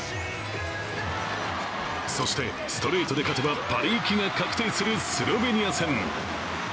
そして、ストレートで勝てばパリ行きが確定するスロベニア戦。